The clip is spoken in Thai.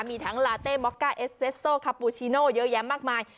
มีทั้งลาเต้ม็อกก้าเอสเซสโซคาปูชิโน่เยอะแยะมากมาย